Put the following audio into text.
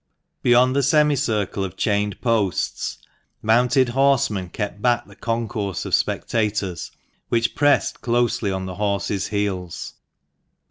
47 Beyond the semi circle of chained posts, mounted horsemen kept back the concourse of spectators which pressed closely on the horses' heels.